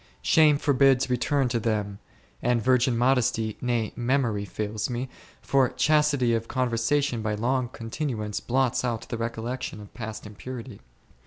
Shame forbids return to them, and virgin modesty, nay, memory fails me, for chastity of con versation by long continuance blots out the recollec tion of past impurity.